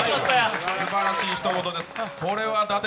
すばらしい一言です！